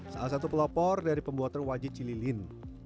salah satu pelopor dari pembuatan wajit cililin